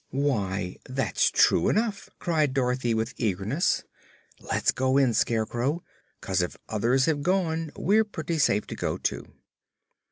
"Why, that's true enough!" cried Dorothy with eagerness. "Let's go in, Scarecrow; 'cause, if others have gone, we're pretty safe to go, too."